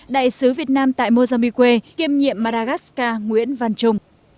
đại sứ việt nam tại mozambique kiêm nhiệm madagascar nguyễn văn trung